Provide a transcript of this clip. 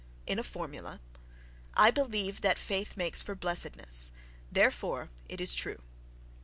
In a formula: "I believe that faith makes for blessedness—therefore, it is true."...